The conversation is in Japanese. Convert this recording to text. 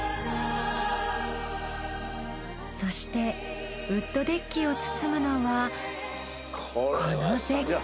そしてウッドデッキを包むのはこの絶景。